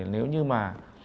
nếu như mà